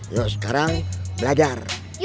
yuk sekarang belajar